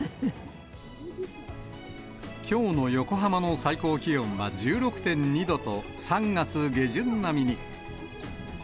きょうの横浜の最高気温は１６．２度と、３月下旬並みに。